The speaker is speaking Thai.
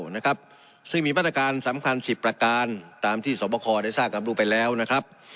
นะครับซึ่งมีมาตรการสำคัญสิบประการตามที่สวบคอได้ทราบกับรู้ไปแล้วนะครับ